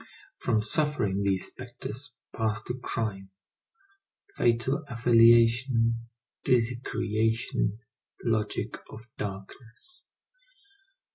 From suffering these spectres pass to crime; fatal affiliation, dizzy creation, logic of darkness.